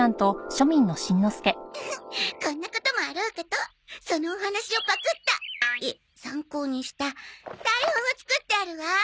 フフッこんなこともあろうかとそのお話をパクったいえ参考にした台本を作ってあるわ！